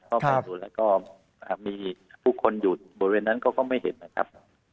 ก็มีผู้คนอยู่บริเวณนั้นก็ไม่เห็นนะครับ